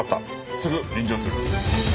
すぐ臨場する。